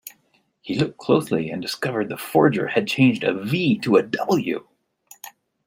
He looked closely and discovered the forger had changed a V to a W.